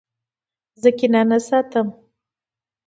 زه کینه نه ساتم.